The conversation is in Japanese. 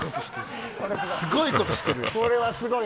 すごいことしてるよ。